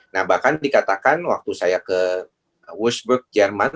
nah bahkan dikatakan waktu saya ke washboard jerman